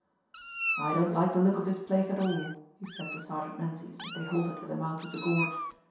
"I don't like the look of this place at all," he said to Sergeant Menzies as they halted at the mouth of the gorge.